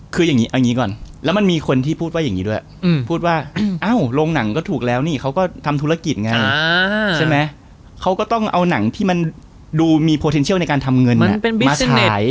คืออย่างนี้เอาอย่างนี้ก่อนแล้วมันมีคนที่พูดว่าอย่างนี้ด้วยพูดว่าเอ้าโรงหนังก็ถูกแล้วนี่เขาก็ทำธุรกิจไงใช่ไหมเขาก็ต้องเอาหนังที่มันดูมีโปรเทนเชียลในการทำเงินมาใช้